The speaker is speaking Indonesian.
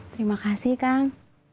terima kasih kang